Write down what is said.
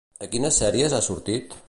A quines sèries ha sortit?